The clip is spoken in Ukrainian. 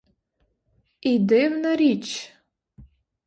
І — дивна річ.